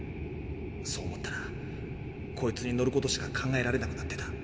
そう思ったらこいつに乗ることしか考えられなくなってた。